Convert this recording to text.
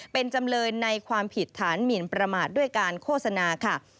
เป็นจำเลยในความผิดฐานหมินประมาทด้วยการโฆษณาค่ะ